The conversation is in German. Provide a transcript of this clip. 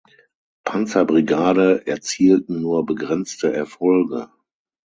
Panzerbrigade erzielten nur begrenzte Erfolge.